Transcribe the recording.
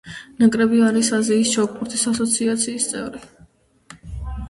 ნაკრები არის აზიის ჩოგბურთის ასოციაციის წევრი.